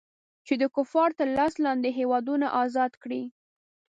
چې د کفارو تر لاس لاندې هېوادونه ازاد کړي.